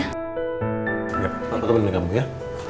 ya aku akan beli kamu ya